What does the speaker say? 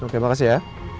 oke makasih ya